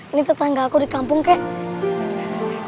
ini tetangga aku di kampung kek